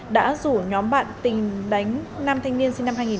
đã rủ nhóm bạn tình đánh nam thanh niên sinh năm hai nghìn